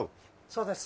そうです。